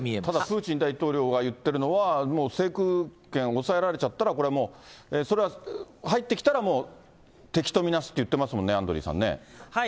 ただプーチン大統領が言ってるのは、もう制空権を押さえられちゃったら、これはもう、それは入ってきたら、もう敵と見なすと言ってますもんね、アンドリーさんね。